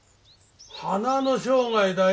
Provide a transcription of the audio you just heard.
「花の生涯」だよ。